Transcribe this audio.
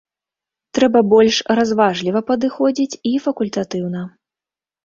Трэба больш разважліва падыходзіць і факультатыўна.